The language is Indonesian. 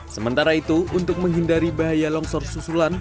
sementara itu untuk menghindari bahaya longsor susulan